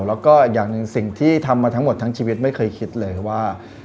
แล้วก็อย่างหนึ่งสิ่งที่ทำมาทั้งหมดทั้งชีวิตไม่เคยคิดเลยว่า